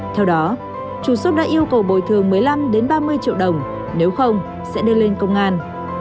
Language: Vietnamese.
theo đó chủ shop đã yêu cầu bồi thường một mươi năm ba mươi triệu đồng nếu không sẽ đưa lên công an